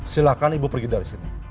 silahkan ibu pergi dari sini